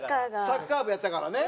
サッカー部やったからね。